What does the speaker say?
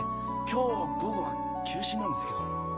今日午後は休診なんですけど。